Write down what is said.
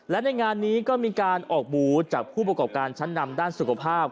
และในงานนี้ก็มีการออกหมูจากผู้ประกอบการชั้นนำด้านสุขภาพ